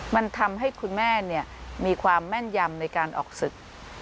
มันทำให้คุณแม่มีความแม่นยำในการออกศึก